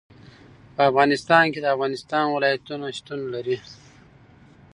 په افغانستان کې د افغانستان ولايتونه شتون لري.